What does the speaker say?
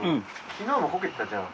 昨日もこけてたじゃん。